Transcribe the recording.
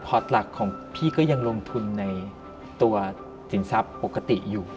พอตหลักของพี่ก็ยังลงทุนในตัวสินทรัพย์ปกติอยู่